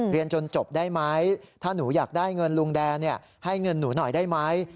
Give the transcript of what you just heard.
เรียนจนจบได้ไหมถ้าหนูอยากได้เงินลุงแดนให้เงินหนูหน่อยได้ไหม